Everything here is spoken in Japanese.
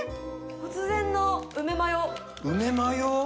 突然の梅マヨ。